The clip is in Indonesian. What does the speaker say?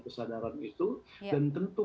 kesadaran itu dan tentu